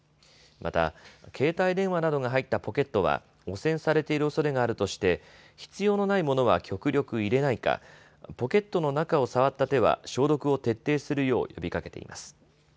また携帯電話などが入ったポケットは汚染されているおそれがあるとして必要のないものは極力入れないかポケットの中を触った手は消毒を徹底するよう呼びかけています。